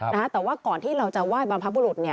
แต่ว่าก่อนที่เราจะว่ายบัมพบุรุษ